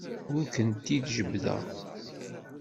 Ur kent-id-jebbdeɣ.